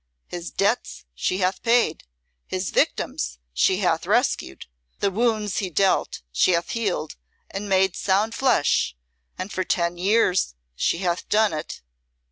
His debts she hath paid, his victims she hath rescued, the wounds he dealt she hath healed and made sound flesh, and for ten years she hath done it!"